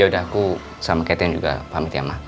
ya udah aku sama katrin juga pamit ya ma